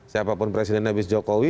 siapapun presiden habis jokowi